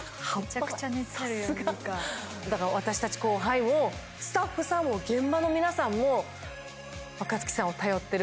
だから私たち後輩もスタッフさんも現場の皆さんも若槻さんを頼ってる。